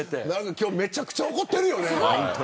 今日めちゃくちゃ怒ってるよね。